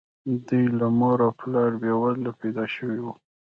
دوی له مور او پلاره بې وزله پيدا شوي وو.